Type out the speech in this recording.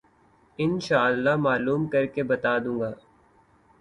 ان شاءاللہ معلوم کر کے بتا دوں گا۔